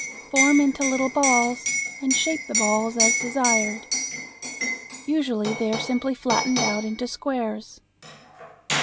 Form into little balls and shape the balls as desired. Usually they are simply flattened out into squares.